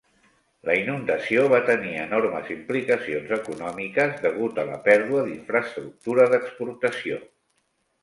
La inundació va tenir enormes implicacions econòmiques degut a la pèrdua d'infraestructura d'exportació.